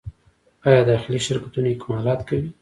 آیا داخلي شرکتونه اکمالات کوي؟